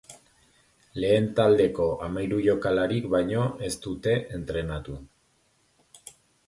Lehen taldeko hamairu jokalarik baino ez dute entrenatu.